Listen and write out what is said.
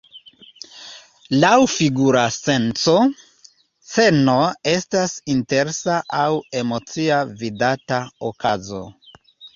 Laŭ figura senco, sceno estas interesa aŭ emocia vidata okazo.